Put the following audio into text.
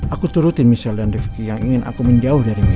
aku turutin michelle dan rifki yang ingin aku menjauh dari mereka